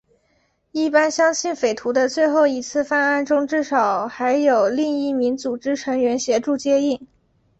一般相信匪徒的最后一次犯案中至少还有另一名组织成员协助接应。